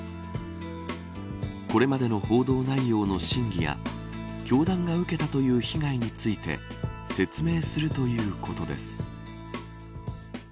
これまでの報道内容の真偽や教団が受けたという被害について説明するということです。